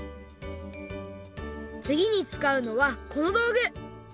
つぎにつかうのはこのどうぐ！